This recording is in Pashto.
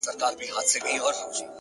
راته ژړا راسي!